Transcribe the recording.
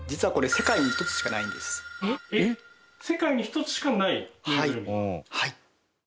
世界に１つしかないぬいぐるみ。